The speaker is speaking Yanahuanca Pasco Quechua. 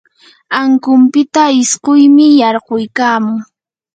ankunpita isquymi yarquykamun.